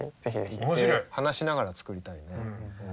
行って話しながら作りたいね。